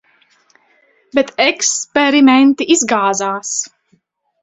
Bet eksperimenti izgāzās.